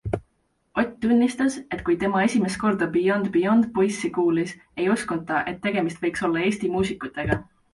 Ott tunnistas, et kui tema esimest korda Beyond Beyond poisse kuulis, ei uskunud ta, et tegemist võiks olla Eesti muusikutega.